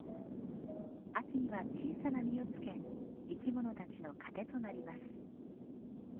秋には小さな実をつけ生き物たちの糧となります。